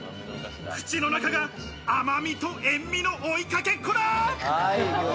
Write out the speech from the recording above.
口の中が甘みと塩みの追いかけっこだ。